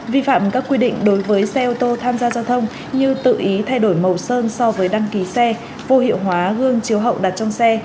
vi phạm các quy định đối với xe ô tô tham gia giao thông như tự ý thay đổi màu sơn so với đăng ký xe vô hiệu hóa gương chiếu hậu đặt trong xe